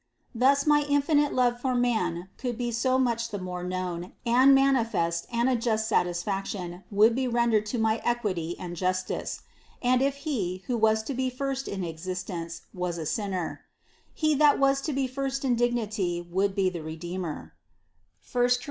Thus my infinite love for man could be so much the more known and manifest and a just satisfaction would be ren dered to my equity and justice; and if he, who was to be first in existence, was a sinner : He that was to be first in dignity, would be the Redeemer (I Cor.